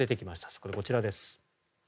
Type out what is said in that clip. そこでこちらです。